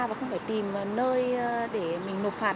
và không phải tìm nơi để mình nộp phạt